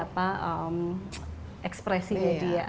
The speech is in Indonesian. apa ekspresinya dia